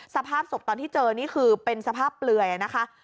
สภาพศพตอนที่เจอนี่คือเป็นสภาพเปลือยนะคะ